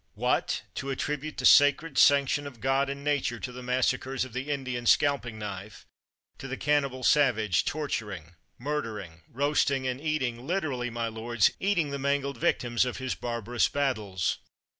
What! to attribute the sacred sanc tion of God and nature to the massacres of the 226 CHATHAM Indian scalping knife— to the cannibal savage, torturing, murdering, roasting, and eating — lit erally, my lords, eating the mangled victims of his barbarous battles!